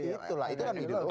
itulah itulah ideologi